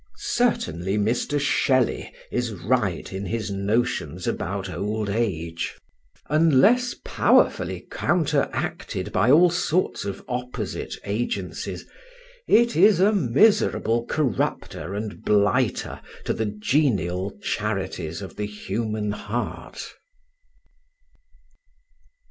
Certainly, Mr. Shelley is right in his notions about old age: unless powerfully counteracted by all sorts of opposite agencies, it is a miserable corrupter and blighter to the genial charities of the human heart.